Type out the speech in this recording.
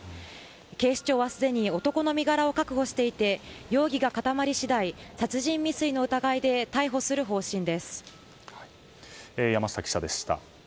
警視庁はすでに男の身柄を確保していて容疑が固まり次第殺人未遂の疑いで山下記者でした。